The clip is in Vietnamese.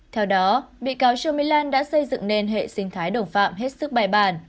theo đó bị cáo trương mỹ lan đã xây dựng nên hệ sinh thái đồng phạm hết sức bài bản